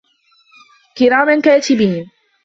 كِرامًا كاتِبينَ